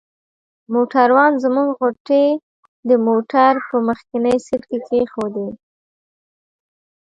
موټروان زموږ غوټې د موټر په مخکني سیټ کې کښېښودې.